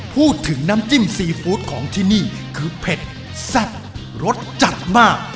พูดถึงน้ำจิ้มซีฟู้ดของที่นี่คือเผ็ดแซ่บรสจัดมาก